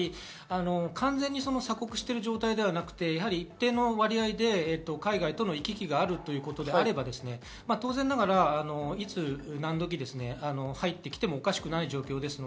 完全に鎖国している状態ではなく、一定の割合で海外との行き来があるということであれば、当然ながら、いつ何時、入ってきてもおかしくない状況です。